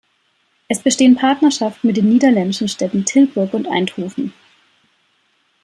Es bestehen Partnerschaften mit den niederländischen Städten Tilburg und Eindhoven.